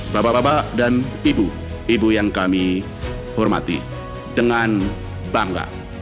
bapak bapak dan ibu ibu yang kami hormati dengan bangga